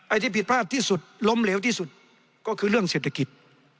ที่ผิดพลาดที่สุดล้มเหลวที่สุดก็คือเรื่องเศรษฐกิจ